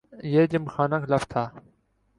یہ gymkhana club تھا۔